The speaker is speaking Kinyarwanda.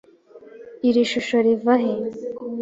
Iri shusho rivahe?